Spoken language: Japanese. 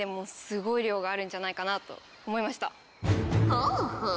ほうほう。